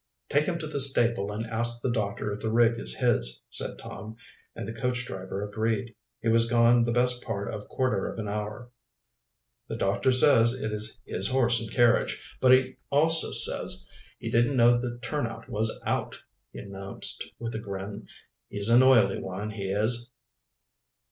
"Take him to the stable and ask the doctor if the rig is his," said Tom, and the coach driver agreed. He was gone the best part of quarter of an hour. "The doctor says it is his horse and carriage, but he also says he didn't know the turnout was out," he announced, with a grin. "He's an oily one, he is!"